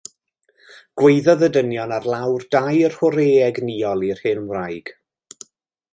Gwaeddodd y dynion ar lawr dair hwrê egnïol i'r hen wraig.